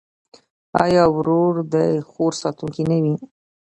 آیا ورور د خور ساتونکی نه وي؟